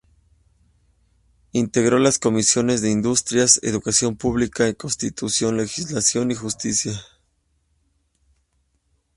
Integró las comisiones de Industrias, Educación Pública, y Constitución, Legislación y Justicia.